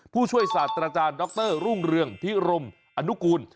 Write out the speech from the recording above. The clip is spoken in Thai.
ผู้ช่วยศาสตราจารย์ดรรุ่งเรืองพิรมอนุกูล